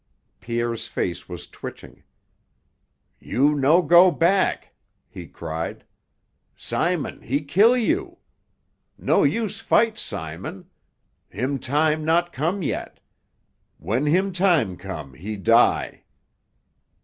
Pierre's face was twitching. "You no go back!" he cried. "Simon he kill you. No use to fight Simon. Him time not come yet. When him time come, he die."